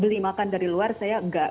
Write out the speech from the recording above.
beli makan dari luar saya enggak